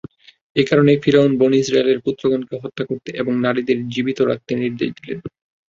এ কারণেই ফিরআউন বনী ইসরাঈলের পুত্রগণকে হত্যা করতে এবং নারীদের জীবিত রাখতে নির্দেশ দিল।